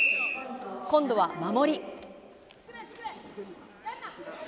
今度は守り。